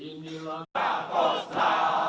ini langkah kosra